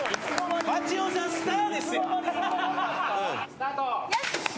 ・スタート。